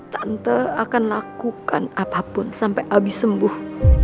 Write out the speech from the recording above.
tante akan lakukan apapun sampai abi sembuh